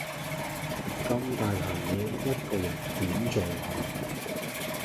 咁大壇嘢一個人點做啊